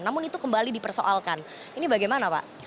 namun itu kembali dipersoalkan ini bagaimana pak